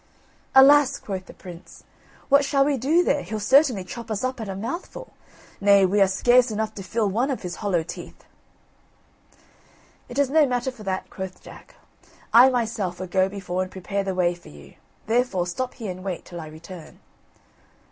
"Alas!" quoth the prince, "what shall we do there? He'll certainly chop us up at a mouthful. Nay, we are scarce enough to fill one of his hollow teeth!" "It is no matter for that," quoth Jack; "I myself will go before and prepare the way for you; therefore stop here and wait till I return."